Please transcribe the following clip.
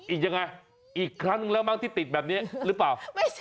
อีกยังไงอีกครั้งนึงแล้วมั้งที่ติดแบบนี้หรือเปล่า